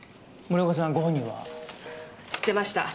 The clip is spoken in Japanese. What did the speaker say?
知ってました。